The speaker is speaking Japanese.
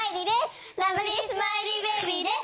ラブリースマイリーベイビーです！